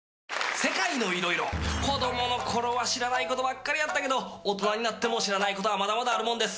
子供の頃は知らないことばっかりやったけど大人になっても知らないことがまだまだあるもんです。